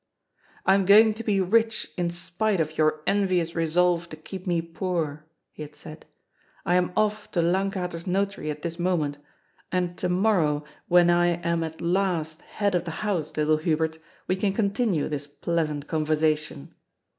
'* I am going to be rich in spite of your envious resolve to keep me poor," he had said. " I am off to Lankater's notary at this moment. And to morrow, when I am at last head of the house, little Hubert, we can continue this pleasant conversation.